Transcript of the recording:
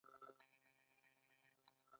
دا کلتور دوی ته شعور ورکوي.